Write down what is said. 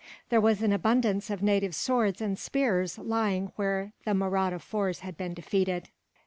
There was an abundance of native swords and spears lying where the Mahratta force had been defeated.